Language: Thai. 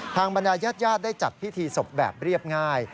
บรรดายาดได้จัดพิธีศพแบบเรียบง่าย